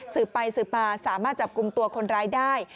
สืบไปสืบมาสามารถจับกลุ่มตัวคนร้ายได้